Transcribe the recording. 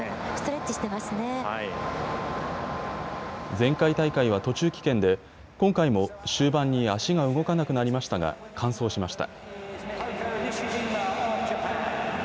前回大会は途中棄権で今回も終盤に足が動かなくなりましたが完走しました。